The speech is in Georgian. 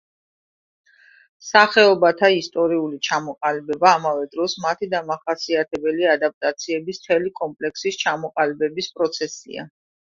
სახეობათა ისტორიული ჩამოყალიბება ამავე დროს მათი დამახასიათებელი ადაპტაციების მთელი კომპლექსის ჩამოყალიბების პროცესია.